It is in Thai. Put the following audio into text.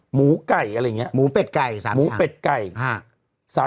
หมูไก่อะไรอย่างเงี้ยหมูเป็ดไก่๓อย่างหมูเป็ดไก่อ่า